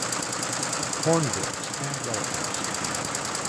Hornbills and relatives.